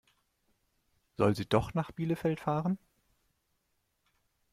Soll sie doch nach Bielefeld fahren?